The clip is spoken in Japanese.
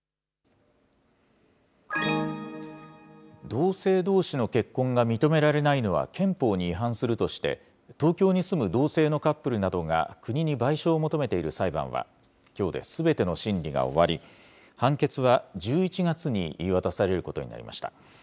同性どうしの結婚が認められないのは憲法に違反するとして、東京に住む同性のカップルなどが、国に賠償を求めている裁判は、きょうですべての審理が終わり、判決は１１月に言い渡されることになりました。